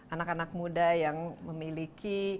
anak anak muda yang memiliki